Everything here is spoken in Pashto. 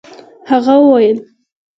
هغه وويل.